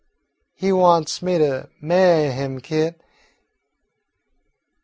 He wants me to ma'y him, Kit.